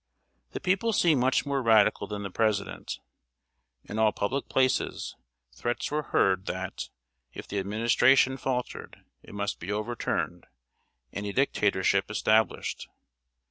] The people seemed much more radical than the President. In all public places, threats were heard that, if the Administration faltered, it must be overturned, and a dictatorship established.